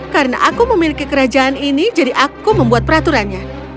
karena aku memiliki kerajaan ini jadi aku membuat peraturannya